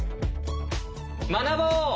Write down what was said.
学ぼう！